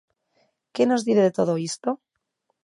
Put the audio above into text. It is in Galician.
¿Que nos di de todo isto?